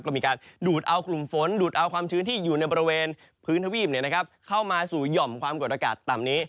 ก็มีการดูดเอากลุ่มฝนดูดเอาความชื้นที่อยู่ในบริเวณพื้นทวีปเข้ามาสู่หย่อมความกดอากาศต่ำนี้